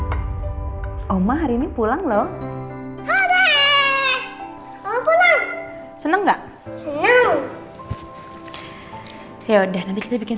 kayaknya dengan tersangkutannya dia harus bareng